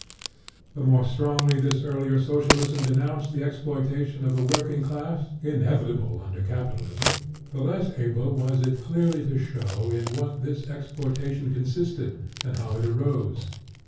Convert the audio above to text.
The more strongly this earlier Socialism de nounced the exploitation of the working class, inevitable under Capitalism, the less able was it clearly to show in what this exploitation consisted and how it arose.